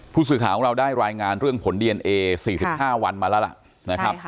ผู้สื่อข่าวของเราได้รายงานเรื่องผลดีเอนเอ๔๕วันมาแล้วล่ะนะครับ